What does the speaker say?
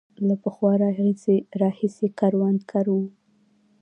له پخوا راهیسې کروندګر وو.